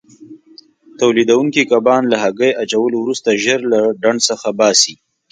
تولیدوونکي کبان له هګۍ اچولو وروسته ژر له ډنډ څخه باسي.